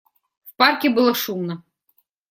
В парке было шумно.